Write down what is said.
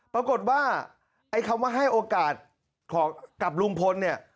ปรากฏว่าไอ้คำว่าให้โอกาสกับลุงพลเนี่ย